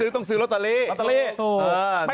ต้องซื้อรถไตรว์ลี่